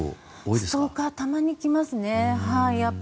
ストーカーたまに来ますね。